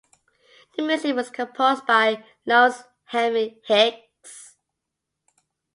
The music was composed by Laurence Henry Hicks.